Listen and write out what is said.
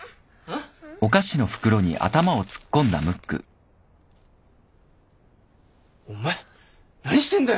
んっ？お前何してんだよ。